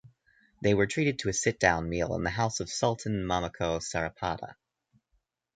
They were treated to a sit-down meal in the house of Sultan Mamaco Saripada.